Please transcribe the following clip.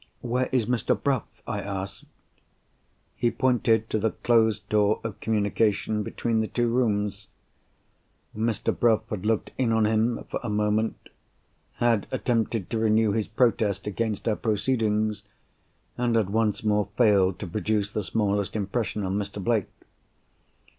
"Where is Mr. Bruff?" I asked. He pointed to the closed door of communication between the two rooms. Mr. Bruff had looked in on him, for a moment; had attempted to renew his protest against our proceedings; and had once more failed to produce the smallest impression on Mr. Blake.